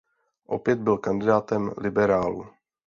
Opět byl kandidátem liberálů.